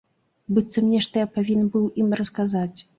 Быццам нешта я павінен быў ім расказаць.